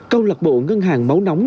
câu lạc bộ ngân hàng máu nóng